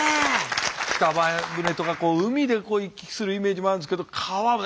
北前船とか海で行き来するイメージもあるんですけど川ね